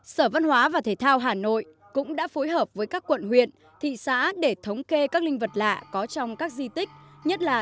sở văn hóa và thể thao hà nội cũng đã phối hợp với các quận huyện thị xã để thống kê các linh vật lạ có trong các di tích nhất là